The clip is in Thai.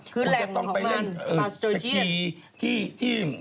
คือแหล่งของมันปาสโจเทียน